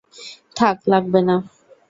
থাক লাগবে না।